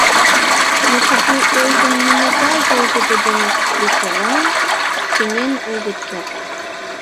Но кугу ойгым нимогай волгыдо ден весела сеҥен огыт керт.